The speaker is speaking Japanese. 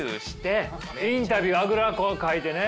インタビューはあぐらかいてね